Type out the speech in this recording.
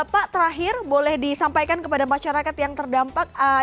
pak terakhir boleh disampaikan kepada masyarakat yang terdampak